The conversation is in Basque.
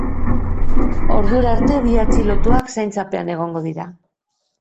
Ordura arte, bi atxilotuak zaintzapean egongo dira.